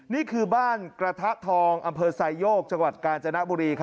นี่คือบ้านกระทะทองอำเภอไซโยกจังหวัดกาญจนบุรี